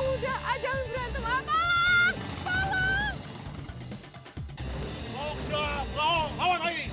udah jangan berantem ah sebenarnya nggak bisa motor itu apa gua enggak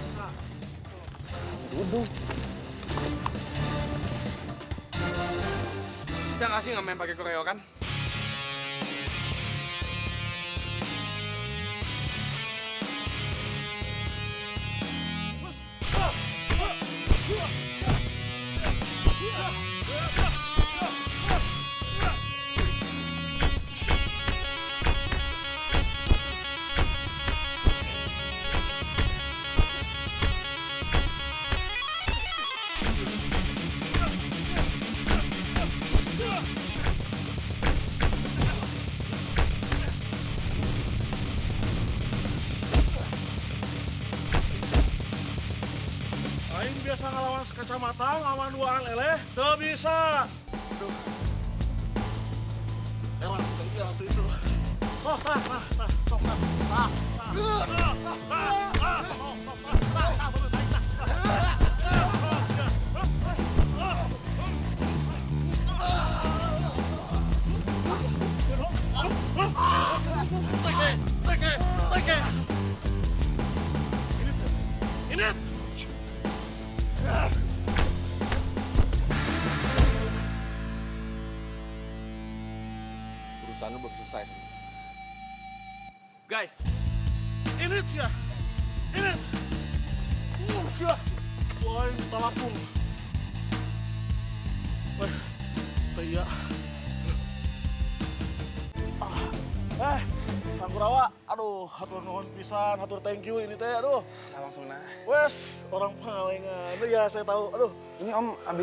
bisa motor kamu